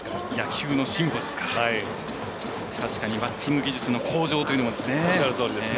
確かにバッティング技術の向上というのも。